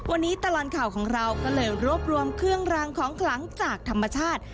วันนี้ตลอดข่าวของเราก็เลยรวบรวมเครื่องรางของขลังจากธรรมชาติ